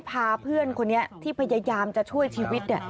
พาเพื่อนคนนี้ที่พยายามจะช่วยชีวิต